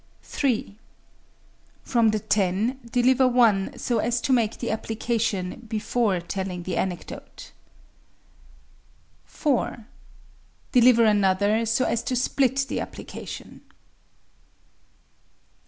3. From the ten, deliver one so as to make the application before telling the anecdote. 4. Deliver another so as to split the application.